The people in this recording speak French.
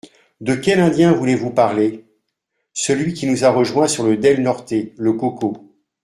De quel Indien voulez-vous parler ? Celui qui nous a rejoints sur le Del-Norte, le Coco.